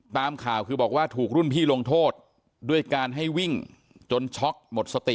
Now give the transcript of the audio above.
ตามข่าวคือบอกว่าถูกรุ่นพี่ลงโทษด้วยการให้วิ่งจนช็อกหมดสติ